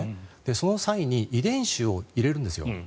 その際に遺伝子を入れるんですよ。